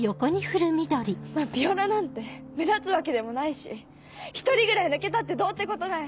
まぁヴィオラなんて目立つわけでもないし１人ぐらい抜けたってどうってことない。